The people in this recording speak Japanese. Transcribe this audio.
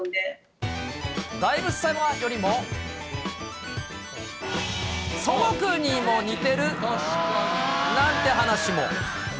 大仏様よりも、孫悟空にも似てる？なんて話も。